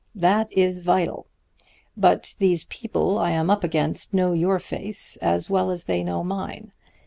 That is vital. But these people I am up against know your face as well as they know mine.